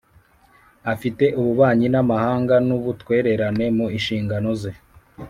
Afite ububanyi n amahanga n ubutwererane mu nshingano ze